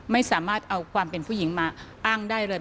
ไม่สามารถเอาความเป็นผู้หญิงมาอ้างได้เลย